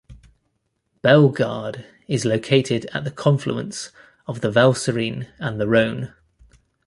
Bellegarde is located at the confluence of the Valserine and the Rhone.